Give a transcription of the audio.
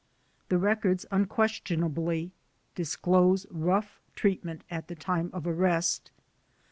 The records unquestionably disclose rough treatment at the time of arrest.